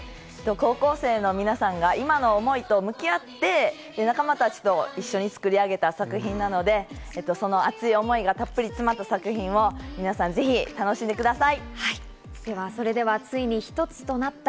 高校生の皆さんが今の思いと向き合って仲間たちと一緒に作り上げた作品なので、その熱い思いがたっぷりと詰まった作品を、みなさん、ぜひ楽しんでください。